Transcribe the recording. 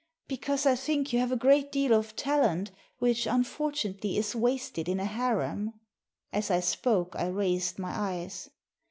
"Because I think you have a great deal of talent which unfortunately is wasted in a harem." As I spoke, I raised my eyes.